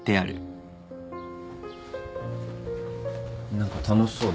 何か楽しそうだね。